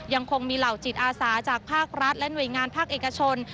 ยังคงมีเหล่าจิตอาสาจากภาครัฐและหน่วยงานภาคเอกชน